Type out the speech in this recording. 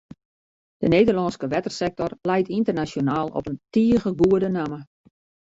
De Nederlânske wettersektor leit ynternasjonaal op in tige goede namme.